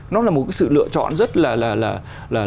nó là một sự lựa chọn rất là